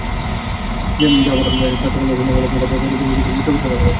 দেবহাটা স্বাস্থ্য কমপ্লেক্সে নেওয়া হলে তাঁকে কর্তব্যরত চিকিত্সক মৃত ঘোষণা করেন।